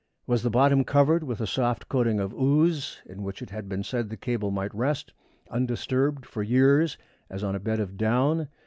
Was the bottom covered with a soft coating of ooze, in which it had been said the cable might rest undisturbed for years as on a bed of down?